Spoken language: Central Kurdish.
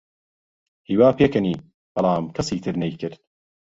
هیوا پێکەنی، بەڵام کەسی تر نەیکرد.